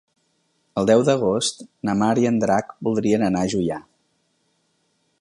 El deu d'agost na Mar i en Drac voldrien anar a Juià.